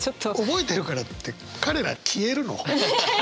「覚えてるから」って彼ら消えるの？